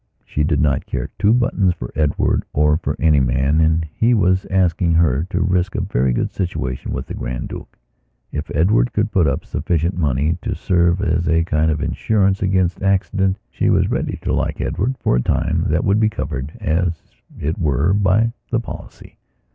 She did not care two buttons for Edward or for any man and he was asking her to risk a very good situation with the Grand Duke. If Edward could put up sufficient money to serve as a kind of insurance against accident she was ready to like Edward for a time that would be covered, as it were, by the policy.